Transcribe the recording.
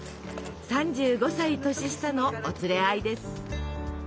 ３５歳年下のお連れ合いです。